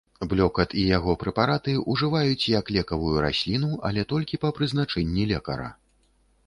Блёкат і яго прэпараты ўжываюць і як лекавую расліну, але толькі па прызначэнні лекара.